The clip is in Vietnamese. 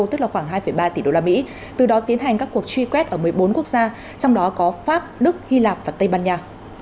tức là khoảng hai ba tỷ đô la mỹ từ đó tiến hành các cuộc truy quét ở một mươi bốn quốc gia trong đó có pháp đức hy lạp và tây ban nha